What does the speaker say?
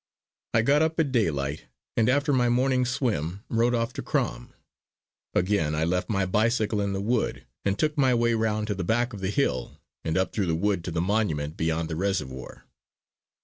I got up at daylight, and after my morning swim rode off to Crom. Again I left my bicycle in the wood and took my way round to the back of the hill and up through the wood to the monument beyond the reservoir.